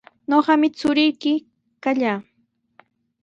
Ñuqami churiyki kallaa.